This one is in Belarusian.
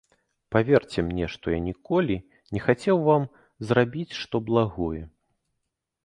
Паверце мне, што я ніколі не хацеў вам зрабіць што благое.